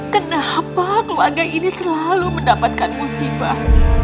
kenapa keluarga ini selalu mendapatkan musibah